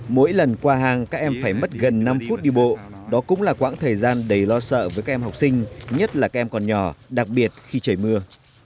mỗi lần qua hàng các em phải mất gần năm phút đi bộ đó cũng là quãng thời gian đầy lo sợ với các em học sinh nhất là các em còn nhỏ đặc biệt khi trời mưa